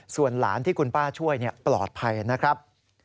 ส่วนหลานที่คุณป้าช่วยปลอดภัยนะครับ